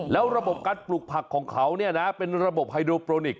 แล้วระบบการปลูกผักของเขาเป็นระบบไฮโดโปรนิกส